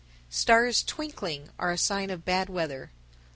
_ 989. Stars twinkling are a sign of bad weather.